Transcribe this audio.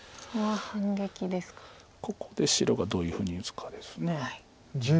ここで白がどういうふうに打つかです。